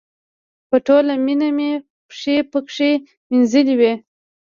په ټوله مینه مې پښې پکې مینځلې وې.